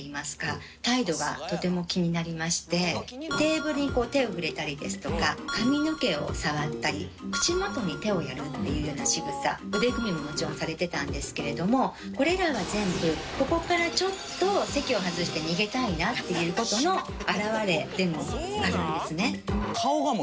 テーブルに手を触れたりですとか髪の毛を触ったり口元に手をやるっていうような仕草腕組みももちろんされてたんですけれどもこれらは全部ここからちょっと席を外して逃げたいなっていう事の表れでもあるんですね。